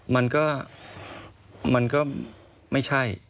มันก็มันก็ไม่ใช่